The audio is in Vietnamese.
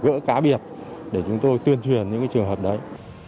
gỡ cá biệt để chúng tôi tuyên truyền những trường hợp đấy